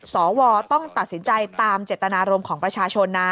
สวต้องตัดสินใจตามเจตนารมณ์ของประชาชนนะ